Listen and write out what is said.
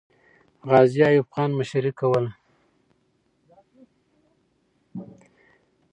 غازي ایوب خان مشري کوي.